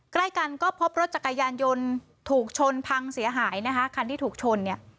ใกล้กันก็พบรถจักรยานยนต์ถูกชนพังเสียหายนะคะคันที่ถูกชนเนี่ย